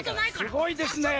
すごいですね。